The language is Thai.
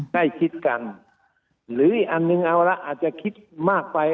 ใกล้คิดกันหรืออันหนึ่งเอาแล้วอาจจะคิดมากไป